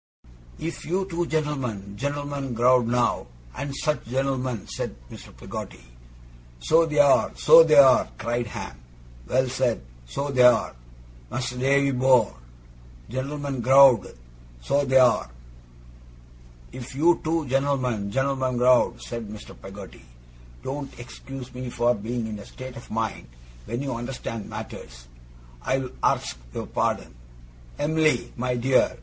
'If you two gent'lmen gent'lmen growed now, and such gent'lmen ' said Mr. Peggotty. 'So th' are, so th' are!' cried Ham. 'Well said! So th' are. Mas'r Davy bor' gent'lmen growed so th' are!' 'If you two gent'lmen, gent'lmen growed,' said Mr. Peggotty, 'don't ex cuse me for being in a state of mind, when you understand matters, I'll arks your pardon. Em'ly, my dear!